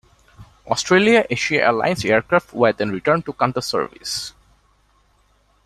Australia Asia Airline's aircraft were then returned to Qantas service.